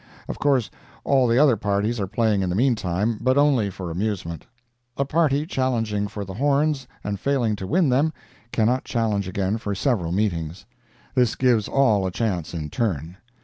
Of course, all the other parties are playing in the meantime, but only for amusement. A party challenging for the horns and failing to win them, cannot challenge again for several meetings. This gives all a chance in turn.